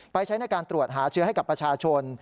ใช้ในการตรวจหาเชื้อให้กับประชาชน